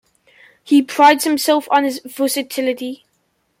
He prides himself on his versatility.